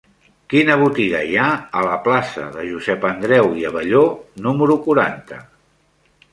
Quina botiga hi ha a la plaça de Josep Andreu i Abelló número quaranta?